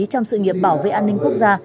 trong sự nghiệp bảo vệ an ninh quốc gia